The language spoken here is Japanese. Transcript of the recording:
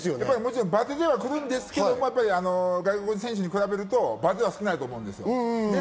もちろんバテては来るんですが、外国人選手に比べるとバテは少ないと思うんですよ。